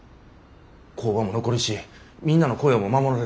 工場も残るしみんなの雇用も守られる。